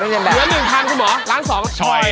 เหลือ๑๐๐๐บาทคุณหมอร้าน๒ช่อย